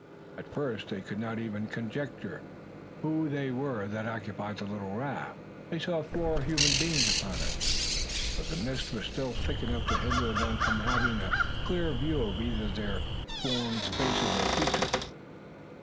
At first they could not even conjecture who they were that occupied the little raft. They saw four human beings upon it; but the mist was still thick enough to hinder them from having a clear view of either their forms, faces, or features.